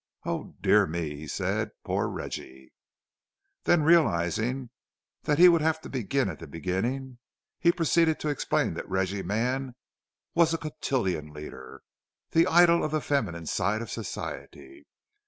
"Oh, dear me!" he said. "Poor Reggie!" Then, realizing that he would have to begin at the beginning, he proceeded to explain that Reggie Mann was a cotillion leader, the idol of the feminine side of society.